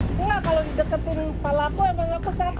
enggak kalau di deketin kepala aku emang aku sakit